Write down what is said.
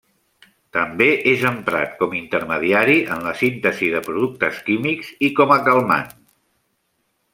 També és emprat com intermediari en la síntesi de productes químics i com a calmant.